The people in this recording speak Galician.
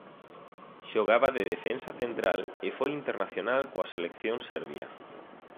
Xogaba de defensa central e foi internacional coa selección serbia.